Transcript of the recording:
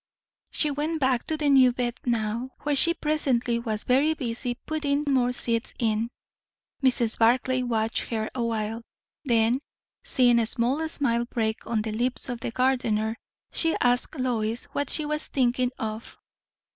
She went back to the new bed now, where she presently was very busy putting more seeds in. Mrs. Barclay watched her a while. Then, seeing a small smile break on the lips of the gardener, she asked Lois what she was thinking of?